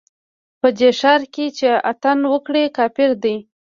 په دې ښار کښې چې اتڼ وکړې، کافر يې